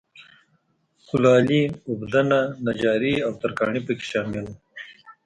کولالي، اوبدنه، نجاري او ترکاڼي په کې شامل و.